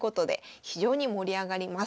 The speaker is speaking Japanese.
非常に盛り上がります。